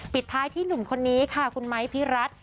ปิดท้ายที่หนุ่มคนนี้ค่ะคุณไม้พี่รัฐ